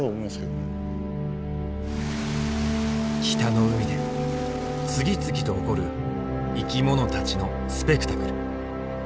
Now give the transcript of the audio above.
北の海で次々と起こる生き物たちのスペクタクル。